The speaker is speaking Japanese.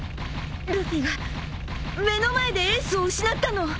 ルフィは目の前でエースを失ったの。